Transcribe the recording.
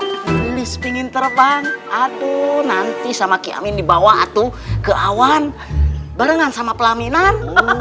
tulis pingin terbang aduh nanti sama ki amin dibawa atu ke awan barengan sama pelaminan